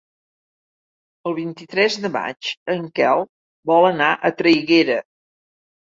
El vint-i-tres de maig en Quel vol anar a Traiguera.